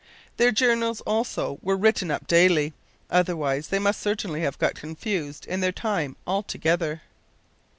Their journals, also, were written up daily, otherwise they must certainly have got confused in their time altogether!